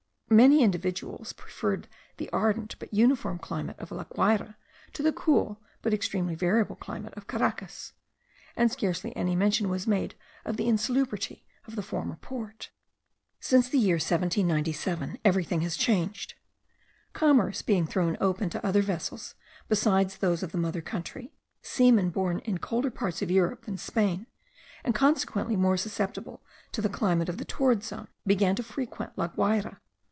Many individuals preferred the ardent but uniform climate of La Guayra to the cool but extremely variable climate of Caracas; and scarcely any mention was made of the insalubrity of the former port. Since the year 1797 everything has changed. Commerce being thrown open to other vessels besides those of the mother country, seamen born in colder parts of Europe than Spain, and consequently more susceptible to the climate of the torrid zone, began to frequent La Guayra.